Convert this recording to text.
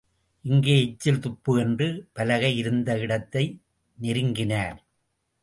இங்கே எச்சில் துப்பு என்ற பலகை இருந்த இடத்தை நெருங்கினார்.